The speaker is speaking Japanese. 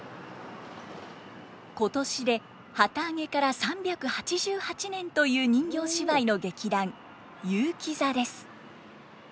今年で旗揚げから３８８年という人形芝居の劇団結城座です。